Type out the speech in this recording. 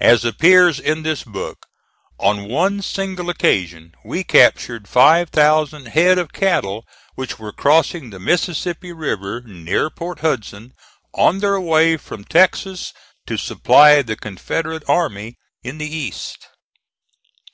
As appears in this book, on one single occasion we captured five thousand head of cattle which were crossing the Mississippi River near Port Hudson on their way from Texas to supply the Confederate army in the East.